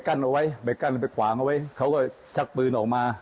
กั้นเอาไว้ไปกั้นไปขวางเอาไว้เขาก็ชักปืนออกมา